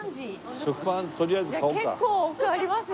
いや結構奥ありますよ。